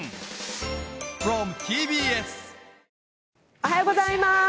おはようございます。